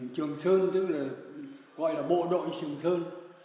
trường sơn tức là gọi là bộ đội trường sơn